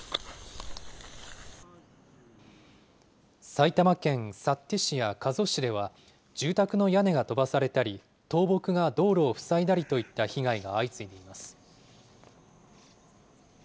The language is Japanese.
埼玉県幸手市や加須市では、住宅の屋根が飛ばされたり、倒木が道路を塞いだりといった被害が相次いでいます。